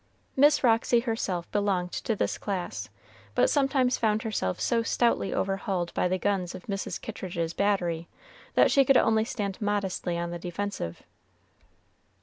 Miss Roxy herself belonged to this class, but sometimes found herself so stoutly overhauled by the guns of Mrs. Kittridge's battery, that she could only stand modestly on the defensive.